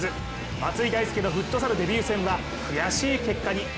松井大輔のフットサルデビュー戦は悔しい結果に。